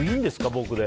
僕で。